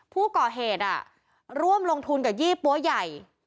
ผู้ก่อเหตุร่วมลงทุนกับยี่ปั้วใหญ่